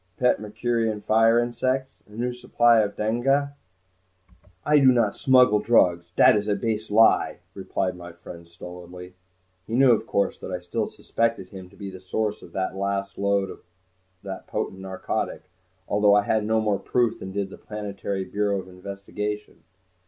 Pet Mercurian fire insects? A new supply of danghaana?" "I do not smuggle drugs, dat is a base lie," replied my friend stolidly. He knew, of course, that I still suspected him to be the source of the last load of that potent narcotic, although I had no more proof than did the Planetary Bureau of Investigation.